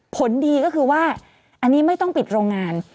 ผลดีก็คือว่าอันนี้ไม่ต้องปิดโรงงาน